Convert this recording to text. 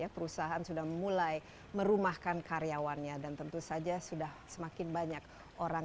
perusahaan sudah mulai merumahkan karyawannya dan tentu saja sudah semakin banyak orang